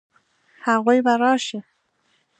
هغوی به راشي؟